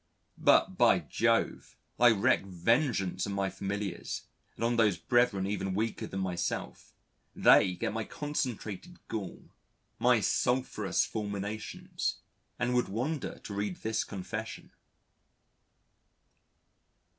But, by Jove, I wreak vengeance on my familiars, and on those brethren even weaker than myself. They get my concentrated gall, my sulphurous fulminations, and would wonder to read this confession.